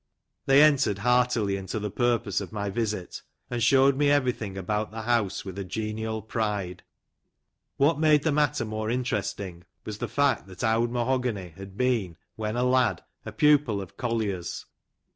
They entered heartily into the purpose of my visit, and showed me everything about the house with a genial pride. What made the matter more interesting was the fact that " Owd Mahogany " had been, when a lad, a pupil of Collier's.